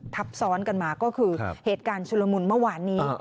ทับซ้อนกันมาก็คือเหตุการณ์ชุลมุนเมื่อวานนี้